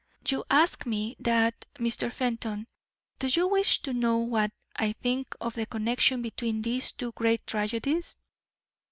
"You ask ME that, Mr. Fenton. Do you wish to know what I think of the connection between these two great tragedies?"